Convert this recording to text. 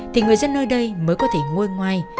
thì người dân nơi đây mới có thể ngôi ngoài